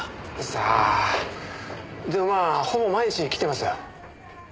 さあでもまあほぼ毎日来てます。